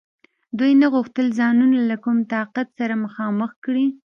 دوی نه غوښتل ځانونه له کوم طاقت سره مخامخ کړي.